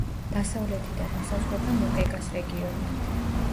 დასავლეთიდან ესაზღვრება მოკეგას რეგიონი.